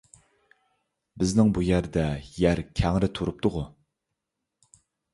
بىزنىڭ بۇ يەردە يەر كەڭرى تۇرۇپتىغۇ...